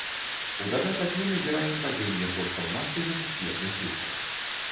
У дадатак мы назіраем падзенне коштаў нафты на сусветных рынках.